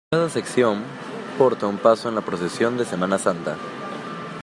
Cada sección porta un paso en la procesión de Semana Santa.